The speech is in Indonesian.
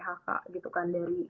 yang di phk gitu kan